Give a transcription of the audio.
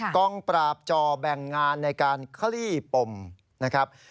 กองปราบจ่อแบ่งงานในการคลี่ปมนะครับ